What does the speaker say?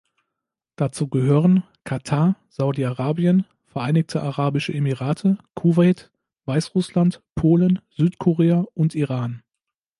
Dazu gehören: Katar, Saudi-Arabien, Vereinigte Arabische Emirate, Kuwait, Weißrussland, Polen, Südkorea und Iran.